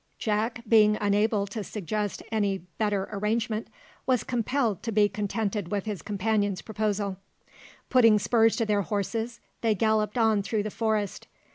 Jack, being unable to suggest any better arrangement, was compelled to be contented with his companion's proposal. Putting spurs to their horses, they galloped on through the forest.